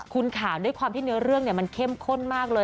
คุณค่ะด้วยความที่เนื้อเรื่องมันเข้มข้นมากเลย